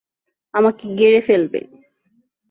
আমাকে গেঁড়ে ফেলবে?